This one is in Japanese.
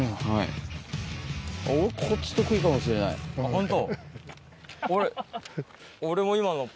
ホント？